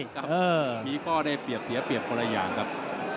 ครับมีข้อได้เปรียบเสียเปรียบคนละอย่างครับ